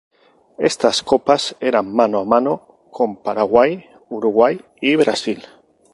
Estas copas eran mano a mano con Paraguay, Uruguay y Brasil.